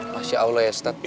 masya allah ya ustadz